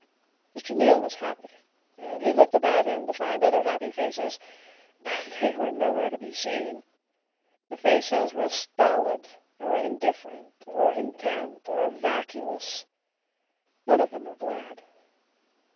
Mr. Neal was happy, and he looked about him to find other happy faces. But they were nowhere to be seen; the faces were stolid, or indifferent, or intent, or vacuous. None of them were glad.